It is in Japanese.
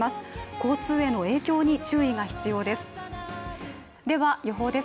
交通への影響に注意が必要です。